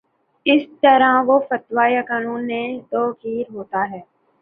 اس طرح وہ فتویٰ یا قانون بے توقیر ہوتا ہے